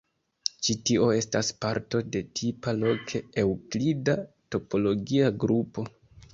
Ĉi-tio estas parto de tipa loke eŭklida topologia grupo.